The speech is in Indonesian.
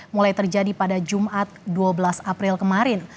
mulai terjadi pada jumat dua belas april kemarin